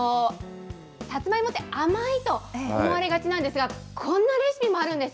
さつまいもって甘いと思われがちなんですが、こんなレシピもあるんです。